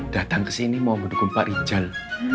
datang kesini mau mendukung pak rijal